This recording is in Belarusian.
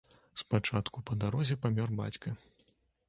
Спачатку па дарозе памёр бацька.